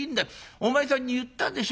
お前さんに言ったでしょ。